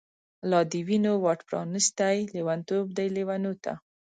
لادوینو واټ پرانستی، لیونتوب دی لیونو ته